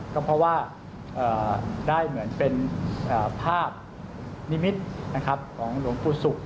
ก็เหมือนผิดภาพนิมิตของหลวงปู่สุข